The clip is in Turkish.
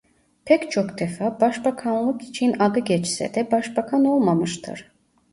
Pek çok defa başbakanlık için adı geçse de başbakan olmamıştır.